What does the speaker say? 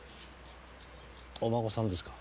お孫さんですか？